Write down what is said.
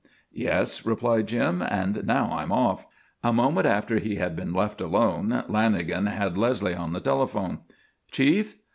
"Yes," replied Jim, "and now I'm off." A moment after he had been left alone Lanagan had Leslie on the telephone. "Chief?